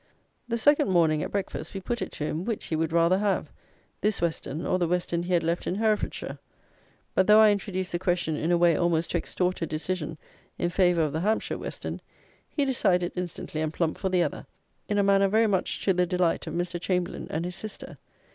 The second morning, at breakfast, we put it to him, which he would rather have; this Weston or the Weston he had left in Herefordshire; but, though I introduced the question in a way almost to extort a decision in favour of the Hampshire Weston, he decided instantly and plump for the other, in a manner very much to the delight of Mr. Chamberlayne and his sister.